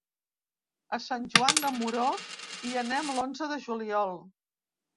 A Sant Joan de Moró hi anem l'onze de juliol.